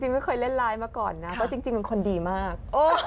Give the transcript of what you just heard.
จริงไม่เคยเล่นไลน์มาก่อนนะเพราะจริงเป็นคนดีมาก